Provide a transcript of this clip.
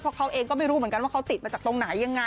เพราะเขาเองก็ไม่รู้เหมือนกันว่าเขาติดมาจากตรงไหนยังไง